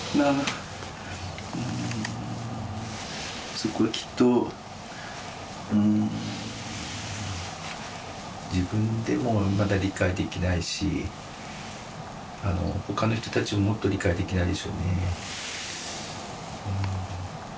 そこはきっとうーん自分でもまだ理解できないし他の人たちはもっと理解できないでしょうね。